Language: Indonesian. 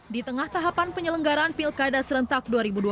di tengah tahapan penyelenggaran pilkada serentak dua ribu dua puluh